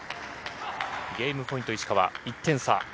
ゲームポイント石川、１点差。